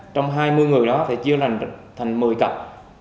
trong hai mươi người đó thì chia làn thành một mươi cặp